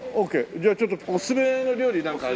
じゃあちょっとおすすめの料理なんかあります？